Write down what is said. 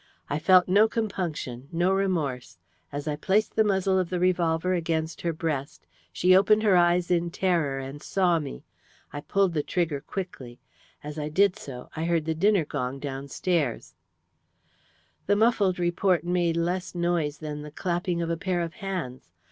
I felt no compunction no remorse. As I placed the muzzle of the revolver against her breast, she opened her eyes in terror, and saw me. I pulled the trigger quickly.... As I did so I heard the dinner gong sound downstairs. "The muffled report made less noise than the clapping of a pair of hands.